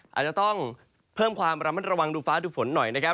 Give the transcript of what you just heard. อาจจะต้องเพิ่มความระมัดระวังดูฟ้าดูฝนหน่อยนะครับ